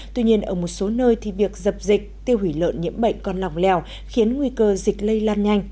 tuy nhiên ở một số nơi thì việc dập dịch tiêu hủy lợn nhiễm bệnh còn lòng lèo khiến nguy cơ dịch lây lan nhanh